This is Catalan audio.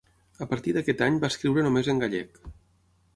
A partir d'aquest any va escriure només en gallec.